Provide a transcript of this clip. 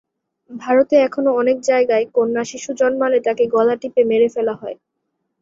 ভারতে এখনো অনেক জায়গায় কন্যাশিশু জন্মালে তাকে গলা টিপে মেরে ফেলা হয়।